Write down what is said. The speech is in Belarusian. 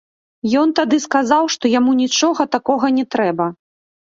Ён тады сказаў, што яму нічога такога не трэба.